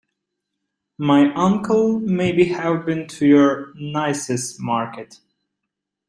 My uncle may have been to your niece's market.